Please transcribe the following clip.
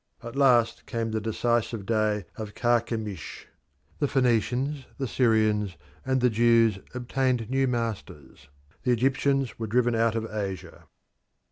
At last came the decisive day of Carchemish. The Phoenicians, the Syrians, and the Jews obtained new masters; the Egyptians were driven out of Asia.